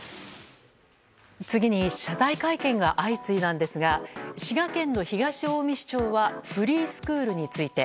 次に謝罪会見が相次いだんですが滋賀県の東近江市長はフリースクールについて。